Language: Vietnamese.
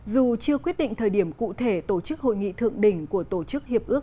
dù chưa quyết định thời điểm cụ thể tổ chức hội nghị thượng đỉnh của tổ chức hiệp ước